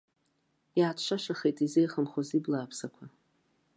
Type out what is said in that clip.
Иааҭшашахеит изеихымхуаз ибла ааԥсақәа.